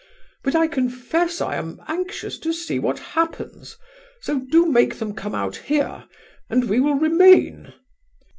But I confess I am anxious to see what happens, so do make them come out here, and we will remain.